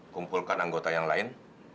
kumpulkan anggota yang lain